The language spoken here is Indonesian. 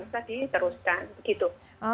tidak usah diteruskan gitu